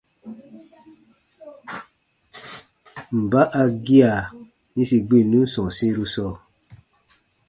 Mba a gia yĩsi gbinnun sɔ̃ɔsiru sɔɔ?